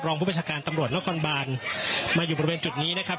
ผู้ประชาการตำรวจนครบานมาอยู่บริเวณจุดนี้นะครับ